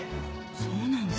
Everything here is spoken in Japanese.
そうなんですか。